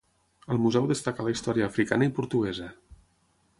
Al museu destaca la història africana i portuguesa.